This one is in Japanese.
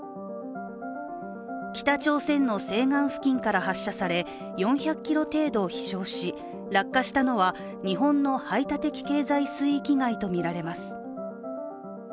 北朝鮮の西岸付近から発射され、４００ｋｍ程度飛翔し、落下したのは日本の排他的経済水域外とみられます。